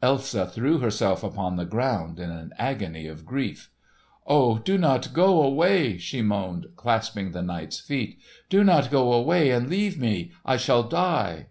Elsa threw herself upon the ground in an agony of grief. "Ah, do not go away!" she moaned, clasping the knight's feet. "Do not go away and leave me! I shall die!"